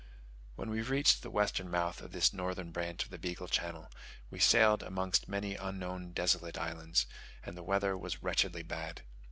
When we reached the western mouth of this northern branch of the Beagle Channel, we sailed amongst many unknown desolate islands, and the weather was wretchedly bad.